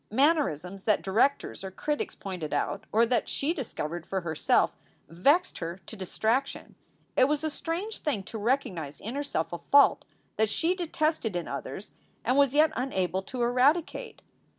Mannerisms that directors or critics pointed out, or that she discovered for herself, vexed her to distraction. It was a strange thing to recognize in herself a fault that she detested in others and was yet unable to eradicate.